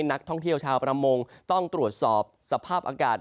นักท่องเที่ยวชาวประมงต้องตรวจสอบสภาพอากาศ